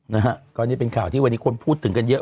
นะฮะก็นี่เป็นข่าวที่วันนี้คนพูดถึงกันเยอะ